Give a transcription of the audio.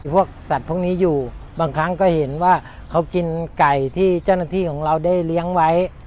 พวกสัตว์พวกนี้อยู่บางครั้งก็เห็นว่าเขากินไก่ที่เจ้าหน้าที่ของเราได้เลี้ยงไว้